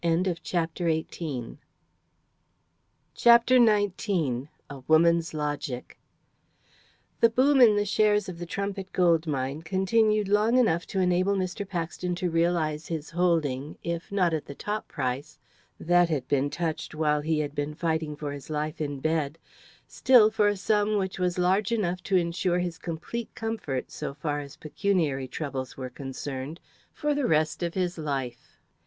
CHAPTER XIX A WOMAN'S LOGIC The boom in the shares of the Trumpit Gold Mine continued long enough to enable Mr. Paxton to realise his holding, if not at the top price that had been touched while he had been fighting for his life in bed still for a sum which was large enough to ensure his complete comfort, so far as pecuniary troubles were concerned, for the rest of his life.